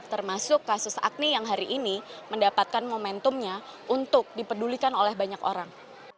termasuk kasus agni yang hari ini mendapatkan momentumnya untuk dipedulikan oleh banyak orang